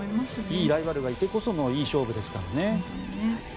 いいライバルがいてこそのいい勝負ですからね。